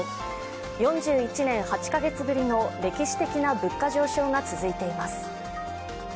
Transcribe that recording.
４１年８か月ぶりの歴史的な物価上昇が続いています。